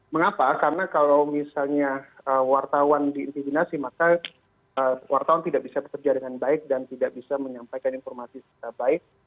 mengapa karena kalau misalnya wartawan diintimidasi maka wartawan tidak bisa bekerja dengan baik dan tidak bisa menyampaikan informasi secara baik